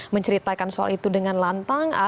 menceritakan soal itu dengan lantang